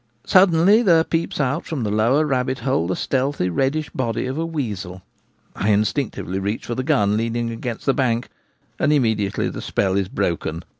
Suddenly there peeps out from the lower rabbit hole the stealthy reddish body of a weasel. I instinctively reach for the gun leaning against the bank, and immediately the spell is broken.